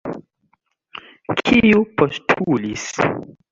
Kiu postulis?